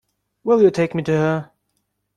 Will you take me to her?